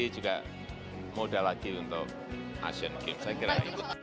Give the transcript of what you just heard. ini juga mudah lagi untuk asian games saya kira